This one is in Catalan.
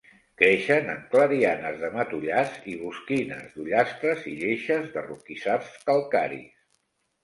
Creixen en clarianes de matollars i bosquines d'ullastres i lleixes de roquissars calcaris.